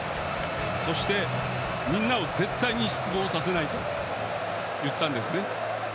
そして、みんなを絶対に失望させないと言ったんですね。